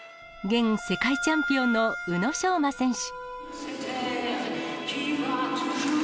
現世界チャンピオンの宇野昌磨選手。